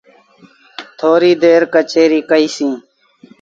ٿوريٚ دير ڪچهريٚ ڪئيٚ سيٚݩ۔